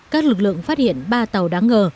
các lực lượng phát hiện ba tàu đáng ngờ